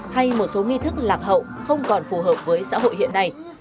hay một số nghi thức lạc hậu không còn phù hợp với xã hội hiện nay